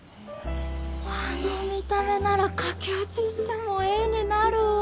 あの見た目なら駆け落ちしても絵になるわ。